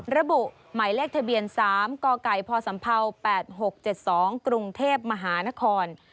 ระบุหมายเลขทะเบียน๓กไก่พศ๘๖๗๒กรุงเทพมหานคร